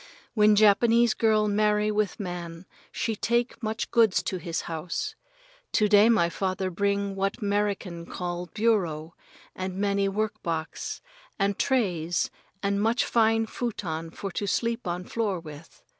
When Japanese girl marry with man she take much goods to his house. To day my father bring what 'Merican call bureau, and many work box and trays and much fine futon for to sleep on floor with.